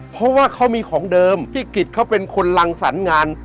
เพราะว่าเขามีของเดิมพี่กิจเขาเป็นคนรังสรรค์งาน